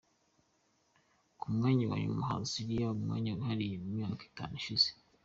Ku mwanya wa nyuma haza Syria, umwanya yihariye mu myaka itanu ishize.